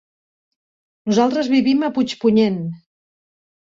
Nosaltres vivim a Puigpunyent.